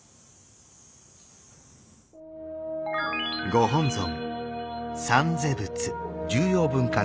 ご本尊